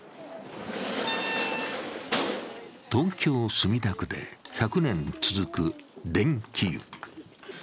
東京・墨田区で１００年続く電気湯。